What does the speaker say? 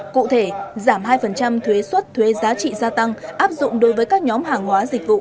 cụ thể giảm hai thuế xuất thuế giá trị gia tăng áp dụng đối với các nhóm hàng hóa dịch vụ